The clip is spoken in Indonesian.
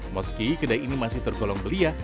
meski kedai ini masih tergolong belia